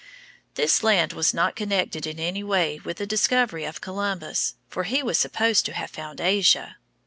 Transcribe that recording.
] This land was not connected in any way with the discovery of Columbus, for he was supposed to have found Asia.